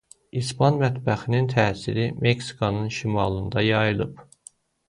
İspan mətbəxinin təsiri Meksikanın şimalında yayılıb.